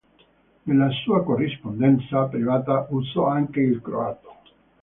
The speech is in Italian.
Nella sua corrispondenza privata usò anche il croato.